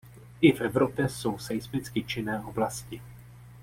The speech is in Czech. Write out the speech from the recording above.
I v Evropě jsou seismicky činné oblasti.